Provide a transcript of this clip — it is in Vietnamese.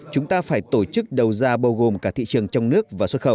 chúng ta phải tổ chức đầu ra bao gồm cả thị trường trong nước và xuất khẩu